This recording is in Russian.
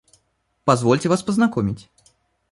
Позвольте вас познакомить.